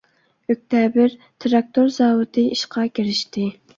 ئۆكتەبىر تىراكتور زاۋۇتى ئىشقا كىرىشتى .